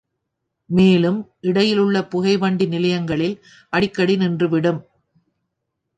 மேலும் இடையிலுள்ள புகை வண்டி நிலையங்களில் அடிக்கடி நின்று விடும்.